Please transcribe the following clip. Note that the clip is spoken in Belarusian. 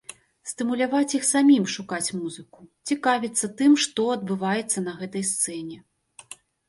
Стымуляваць іх самім шукаць музыку, цікавіцца тым, што адбываецца на гэтай сцэне.